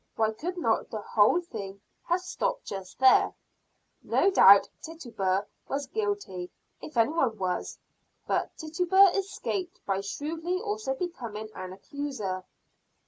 Why could not the whole thing have stopped just there? No doubt Tituba was guilty, if any one was. But Tituba escaped, by shrewdly also becoming an accuser.